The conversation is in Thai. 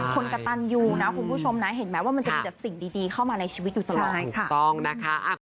คนกระตันอยู่นะคุณผู้ชมนะเห็นไหมว่ามันจะมีแต่สิ่งดีเข้ามาในชีวิตอยู่ตลอด